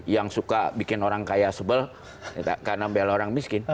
yang suka bikin orang kaya sebel karena bela orang miskin